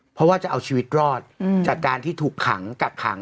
เพราะว่าจะเอาชีวิตรอดจากการที่ถูกขังกักขัง